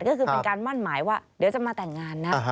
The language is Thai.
ก็คือเป็นการมั่นหมายว่าเดี๋ยวจะมาแต่งงานนะ